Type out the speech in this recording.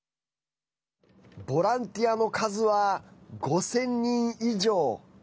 ボランティアの数は５０００人以上。